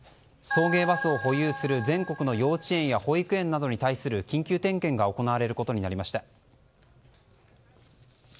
送迎バスを保有する全国の幼稚園や保育園に対する緊急点検が行われることになりました。